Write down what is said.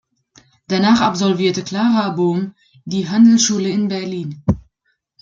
Danach absolvierte Clara Bohm die Handelsschule in Berlin.